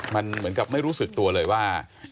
มันเหมือนกับไม่รู้สึกตัวเลยว่า